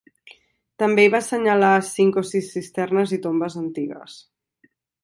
També hi va assenyalar cinc o sis cisternes i tombes antigues.